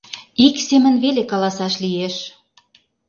Ик семын веле каласаш лиеш.